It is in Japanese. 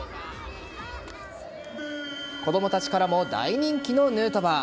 子供たちからも大人気のヌートバー。